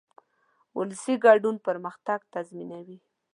ولسي ګډون پرمختګ تضمینوي.